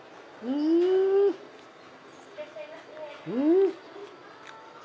うん！